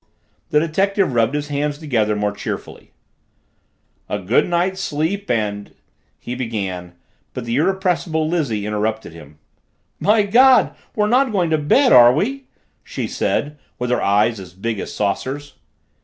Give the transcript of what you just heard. The detective rubbed his hands together more cheerfully. "A good night's sleep and " he began, but the irrepressible Lizzie interrupted him. "My God, we're not going to bed, are we?" she said, with her eyes as big as saucers.